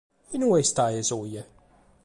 E in ue istades oe?